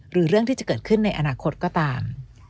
หรือเรื่องที่จะเกิดขึ้นในอนาคตก็ตาม